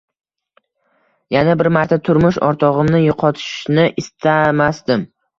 Yana bir marta turmush o'rtog'imni yo'qotishni istamasdim